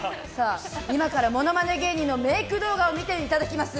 今からモノマネ芸人のメイク動画を見ていただきます。